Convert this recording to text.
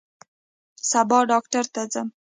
سبا ډاکټر ته ځم